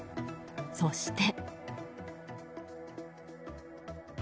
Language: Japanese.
そして。